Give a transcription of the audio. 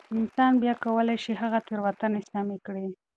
انسان بيا کولای شي هغه تېروتنې سمې کړي.